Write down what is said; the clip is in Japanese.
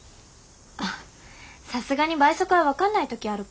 あっさすがに倍速は分かんない時あるか。